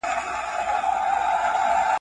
دنيا خپله لري، روی پر عالم لري.